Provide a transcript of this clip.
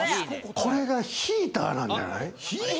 これがヒーターなんじゃない？